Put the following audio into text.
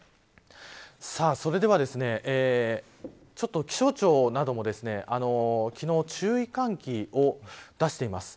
それでは、気象庁なども昨日、注意喚起を出しています。